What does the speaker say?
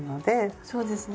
そうですね。